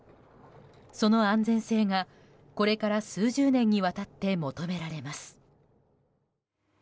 その安全性がこれから数十年にわたって求められます。